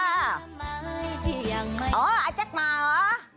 อ๋ออาจักรมาเหรอ